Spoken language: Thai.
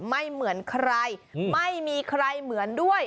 ไม่เหมือนใครไม่มีใครเหมือนด้วย